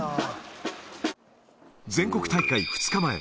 全国大会２日前。